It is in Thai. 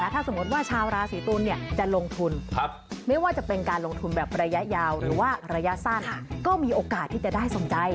ถ้าสมมติว่าชาวราศีตุลจะลงทุนไม่ว่าจะเป็นการลงทุนแบบระยะยาวหรือว่าระยะสั้นก็มีโอกาสที่จะได้ส่งใจ